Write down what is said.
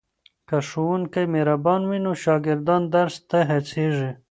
که ښوونکی مهربان وي نو شاګردان درس ته هڅېږي.